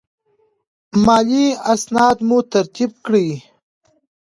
مالي اسناد مو ترتیب کړئ.